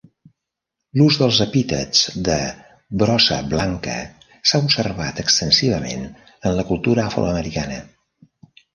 L'ús dels epítets de "brossa blanca" s'ha observat extensivament en la cultura afroamericana.